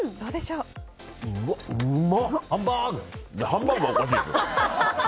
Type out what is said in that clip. ハンバーグ？